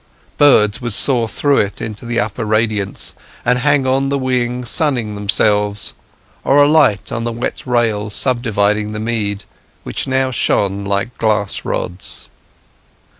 Birds would soar through it into the upper radiance, and hang on the wing sunning themselves, or alight on the wet rails subdividing the mead, which now shone like glass rods.